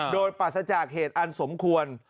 โดยปราศจากเหตุอันสมควร